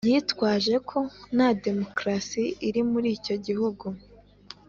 yitwaje ko nta demokarasi iri muri icyo gihugu?